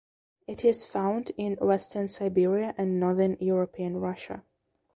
It is found in Western Siberia and northern European Russia.